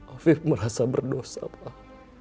afif merasa berdosa pak